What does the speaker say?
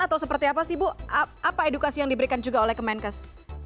atau seperti apa sih bu apa edukasi yang diberikan juga oleh kemenkes